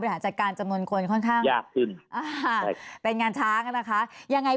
บริหารจัดการจำนวนคนค่อนข้างยากขึ้นเป็นงานช้าก็นะคะยังไง